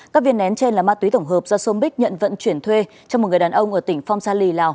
các viên nén trên là ma túy tổng hợp do som bích nhận vận chuyển thuê cho một người đàn ông ở tỉnh phong sa lì lào